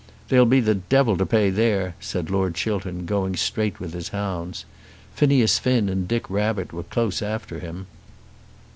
"There'll be the devil to pay there," said Lord Chiltern, going straight with his hounds. Phineas Finn and Dick Rabbit were close after him.